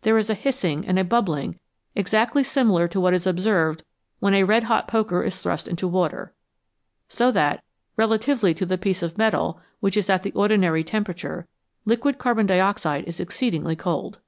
There is a hissing and a bubbling exactly similar to what is observed when a red hot poker is thrust into water ; so that, relatively to the piece of metal, which is at the ordinary tempera ture, liquid carbon dioxide is exceedingly cold.